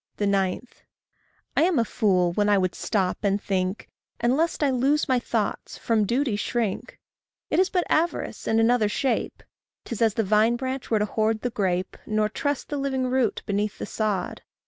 9. I am a fool when I would stop and think, And lest I lose my thoughts, from duty shrink. It is but avarice in another shape. 'Tis as the vine branch were to hoard the grape, Nor trust the living root beneath the sod.